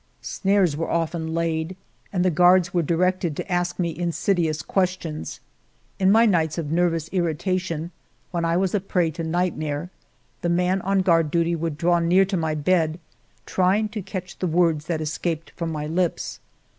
Snares were often laid, and the guards were directed to ask me insidious questions. In my nights of nervous irritation, when I was a prey to nightmare, the man on guard duty would draw near to my bed, try ing to catch the words that escaped from my lips.